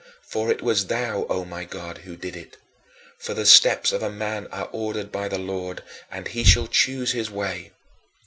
For it was thou, O my God, who didst it: for "the steps of a man are ordered by the Lord, and he shall choose his way."